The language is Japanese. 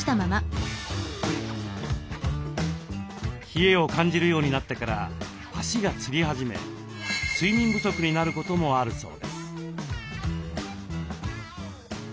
冷えを感じるようになってから足がつりはじめ睡眠不足になることもあるそうです。